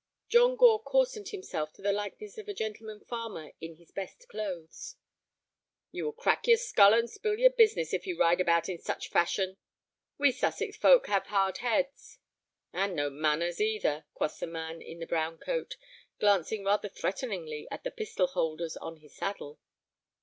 John Gore coarsened himself to the likeness of a gentleman farmer in his best clothes. "You will crack your skull and spill your business if you ride about it in such fashion." "We Sussex folk have hard heads." "And no manners—either," quoth the man in the brown coat, glancing rather threateningly at the pistol holsters on his saddle.